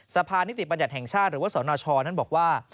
สภานิติบัญญัติแห่งชาติหรือว่าสนชนั้นบอกว่า